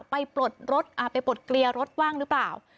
ปลดไปปลดเกลียร์รถว่างหรือเปล่า